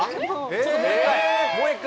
ちょっともう一回。